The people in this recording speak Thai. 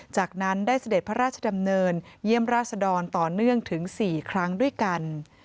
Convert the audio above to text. จากนั้นได้เสด็จพระราชดำเนินเยี่ยมราชดรต่อเนื่องถึง๔ครั้งด้วยกัน